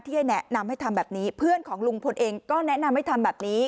ให้แนะนำให้ทำแบบนี้เพื่อนของลุงพลเองก็แนะนำให้ทำแบบนี้